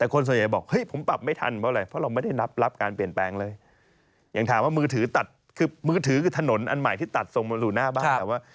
คือมือถือคือถนนอันใหม่ที่ตัดส่งมาหลู่หน้าบ้าน